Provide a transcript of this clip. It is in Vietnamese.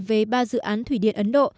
về ba dự án thủy điện ấn độ